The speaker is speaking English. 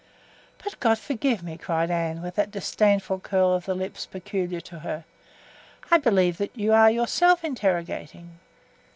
"But, God forgive me!" cried Anne, with that disdainful curl of the lips peculiar to her, "I believe that you are yourself interrogating."